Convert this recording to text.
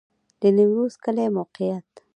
د نیمروز کلی موقعیت